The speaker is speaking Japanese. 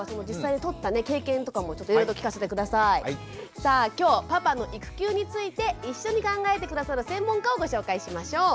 さあ今日パパの育休について一緒に考えて下さる専門家をご紹介しましょう。